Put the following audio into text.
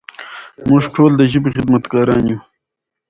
موږ ټول د ژبې خدمتګاران یو.